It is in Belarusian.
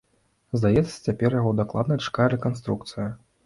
Здаецца, цяпер яго дакладна чакае рэканструкцыя.